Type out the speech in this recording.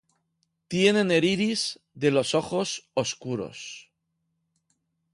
Tienen el iris de los ojos oscuro.